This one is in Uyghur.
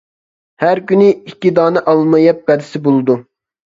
ھەر كۈنى ئىككى دانە ئالما يەپ بەرسە بولىدۇ.